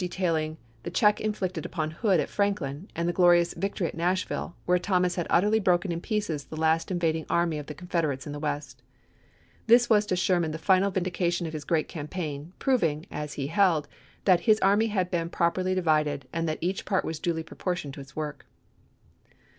detailing the check inflicted upon Hood at Franklin, and the glorious victory at Nashville, where Thomas had utterly broken in pieces the last invading army of the Confederates in the West. This was to Sherman the final vindication of his great cam paign, proving, as he held, that "his army had been properly divided, and that each part was duly proportioned to its work."